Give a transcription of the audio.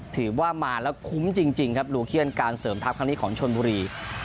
ถือว่ามาแล้วคุ้มจริงครับลูเคียนการเสริมทัพครั้งนี้ของชนบุรี